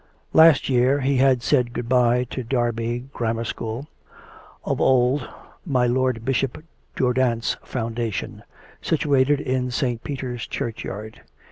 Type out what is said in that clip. Last year he had said good bye to Derby Gramma' School — of old my lord Bishop Durdant's foundation situated in St. Peter's churchyard.